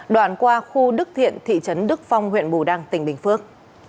đoạn qua khu đức thiện thị trấn đức phong huyện bù đăng tỉnh bình phước